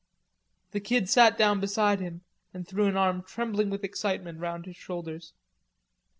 The Kid sat down beside him, and threw an arm trembling with excitement round his shoulders.